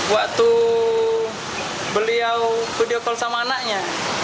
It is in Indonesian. waktu beliau video call sama anaknya